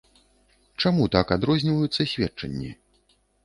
Чаму так адрозніваюцца сведчанні?